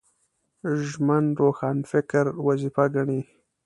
ژمن روښانفکر وظیفه ګڼي